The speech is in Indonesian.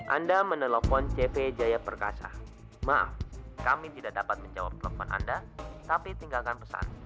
anda menelpon cp jaya perkasa maaf kami tidak dapat menjawab telepon anda tapi tinggalkan pesan